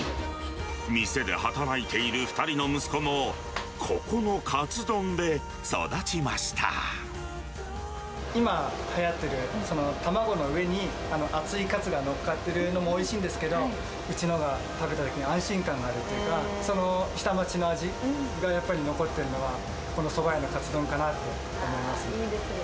店で働いている２人の息子も、今はやってる、卵の上に厚いカツがのっかってるのもおいしいんですけど、うちのは食べたとき、安心感があるっていうか、その下町の味がやっぱり残ってるのは、このそば屋のかつ丼かなと思います。